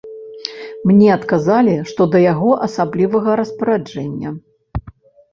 Мне адказалі, што да яго асаблівага распараджэння.